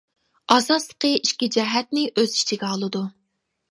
ئاساسلىقى ئىككى جەھەتنى ئۆز ئىچىگە ئالىدۇ.